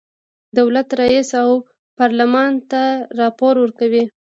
دولت رئیس او پارلمان ته راپور ورکوي.